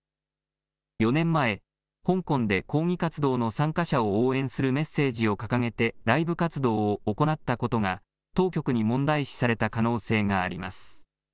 ４年前、香港で抗議活動の参加者を応援するメッセージを掲げてライブ活動を行ったことが当局に問題視された可能性があります。